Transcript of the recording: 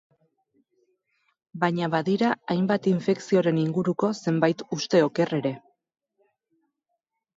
Baina badira hainbat infekzioren inguruko zenbait uste oker ere.